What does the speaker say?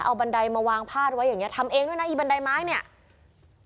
เอาบันไดมาวางพาดไว้อย่างเงี้ทำเองด้วยนะอีบันไดไม้เนี่ย